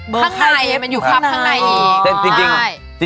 เบอร์ค่ายเทปมันอยู่ข้างในอีก